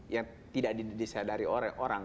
yang tidak didisadari orang